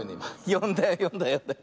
よんだよよんだよよんだよ。